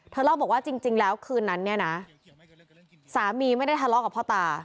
เล่าบอกว่าจริงแล้วคืนนั้นเนี่ยนะสามีไม่ได้ทะเลาะกับพ่อตา